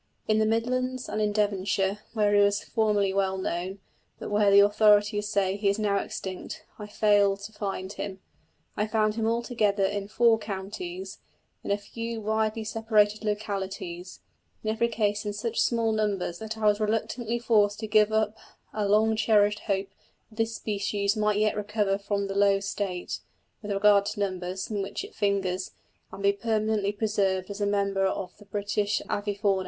In the Midlands, and in Devonshire, where he was formerly well known, but where the authorities say he is now extinct, I failed to find him. I found him altogether in four counties, in a few widely separated localities; in every case in such small numbers that I was reluctantly forced to give up a long cherished hope that this species might yet recover from the low state, with regard to numbers, in which it fingers, and be permanently preserved as a member of the British avifauna.